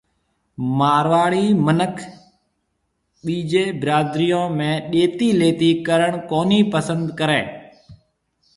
مارواڙِي مِنک ٻيجي برادريون ۾ ڏيتي ليَتي ڪرڻ ڪونِي پسند ڪرَي